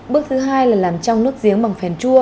bước thứ hai là làm trong nước giếng bằng phèn chua